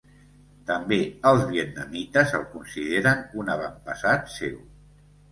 També els vietnamites el consideren un avantpassat seu.